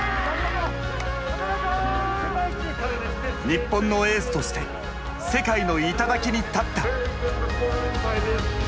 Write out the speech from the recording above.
日本のエースとして世界の頂に立った。